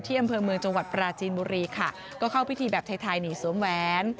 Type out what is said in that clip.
อำเภอเมืองจังหวัดปราจีนบุรีค่ะก็เข้าพิธีแบบไทยไทยนี่สวมแหวน